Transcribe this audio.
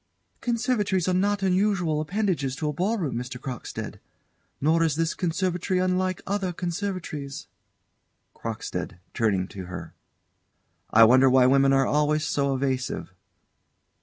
_] Conservatories are not unusual appendages to a ball room, Mr. Crockstead; nor is this conservatory unlike other conservatories. CROCKSTEAD [Turning to her.] I wonder why women are always so evasive?